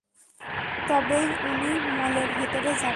তবেই উনি মলের ভেতরে যাবেন।